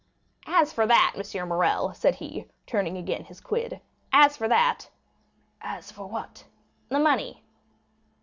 "As for that, M. Morrel," said he, again turning his quid, "as for that——" "As for what?" "The money."